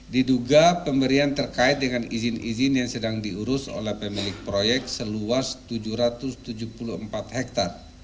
diduga pemberian terkait dengan izin izin yang sedang diurus oleh pemilik proyek seluas tujuh ratus tujuh puluh empat hektare